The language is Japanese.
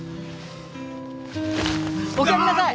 おかえりなさい！